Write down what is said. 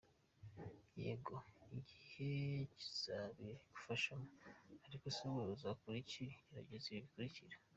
Yego igihe kizabigufashamo, ariko se wowe uzakora iki? Gerageza ibi bikurikira:.